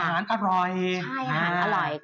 อ๋ออาหารอร่อย